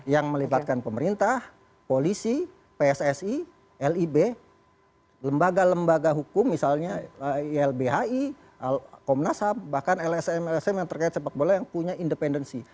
yang melibatkan pemerintah polisi pssi lib lembaga lembaga hukum misalnya ilbhi komnas ham bahkan lsm lsm yang terkait sepak bola yang punya independensi